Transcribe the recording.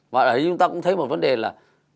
và chúng ta cũng thấy một vấn đề là